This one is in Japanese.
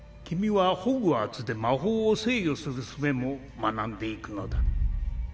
君はホグワーツで魔法を制御するすべも学んでいくのだ